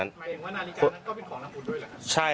หมายถึงว่านาฬิกานั่นก็เป็นของเลือกรับหนทุนด้วยหรือไค่